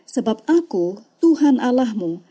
sebab aku tuhan allahmu